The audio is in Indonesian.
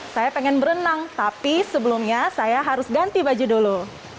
saya pengen berenang tapi sebelumnya saya harus ganti baju dulu